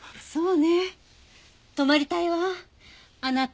そうね。